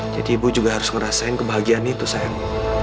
jadi ibu juga harus ngerasain kebahagiaan itu sayang